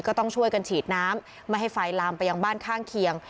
ก็ต้องช่วยกันฉีดน้ำไม่ให้ไฟลามไปยังบ้านข้างเคียง